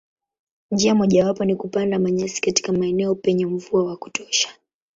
Njia mojawapo ni kupanda manyasi katika maeneo penye mvua wa kutosha.